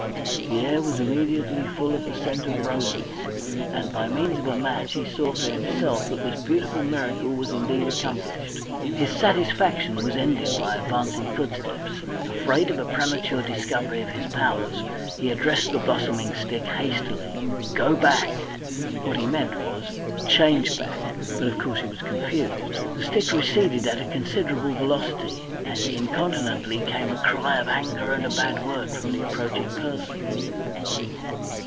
The air was immediately full of the scent of roses, and by means of a match he saw for himself that this beautiful miracle was indeed accomplished. His satisfaction was ended by advancing footsteps. Afraid of a premature discovery of his powers, he addressed the blossoming stick hastily: "Go back." What he meant was "Change back;" but of course he was confused. The stick receded at a considerable velocity, and incontinently came a cry of anger and a bad word from the approaching person.